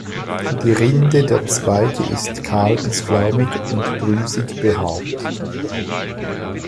Die Rinde der Zweige ist kahl bis flaumig oder drüsig behaart.